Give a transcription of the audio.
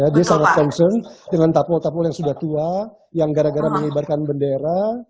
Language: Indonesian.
dia sangat concern dengan tapo tapo yang sudah tua yang gara gara menyebarkan bendera